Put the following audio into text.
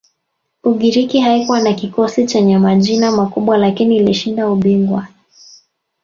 ugiriki haikuwa na kikosi chenye majina makubwa lakini ilishinda ubingwa